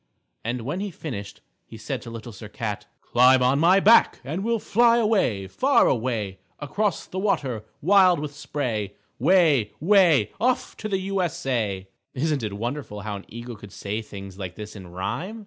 _" And when he finished he said to Little Sir Cat, "Climb on my back and we'll fly away, far away, across the water wild with spray, way, way off to the U. S. A." Isn't it wonderful how an eagle could say things like this in rhyme?